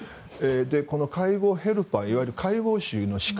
介護ヘルパーいわゆる介護士の資格